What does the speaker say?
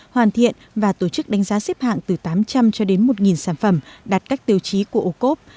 hoàn thiện và tổ chức đánh giá xếp hạng từ tám trăm linh cho đến một sản phẩm đạt các tiêu chí của ô cốp